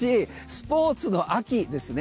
スポーツの秋ですね。